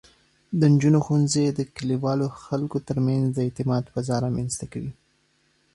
د نجونو ښوونځی د کلیوالو خلکو ترمنځ د اعتماد فضا رامینځته کوي.